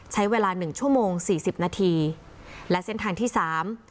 ใช้เวลาหนึ่งชั่วโมงสี่สิบนาทีและเส้นทางที่สาม